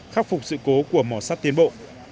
khắc phục sự cố của mỏ sắt tiến bộ